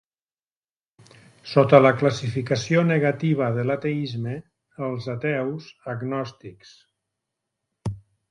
Sota la classificació negativa de l'ateisme, els ateus agnòstics.